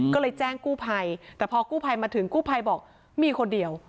ก็เลยแจ้งกู้ภัยแต่พอกู้ภัยมาถึงกู้ภัยบอกมีคนเดียว